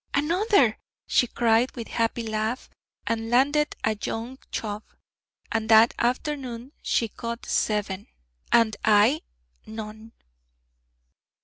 'Another!' she cried with happy laugh, and landed a young chub. And that afternoon she caught seven, and I none.